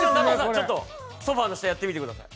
ちょっとソファーの下やってみてください